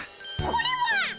これはっ！